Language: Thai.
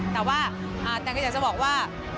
แต่ว่าแตนก็อยากจะบอกว่า